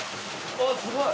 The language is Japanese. あっすごい！